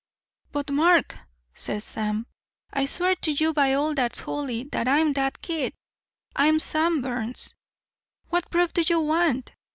"'But, Mark,' says Sam, 'I swear to you by all that's holy that I'm that kid I'm Sam Burns. What proof do you want?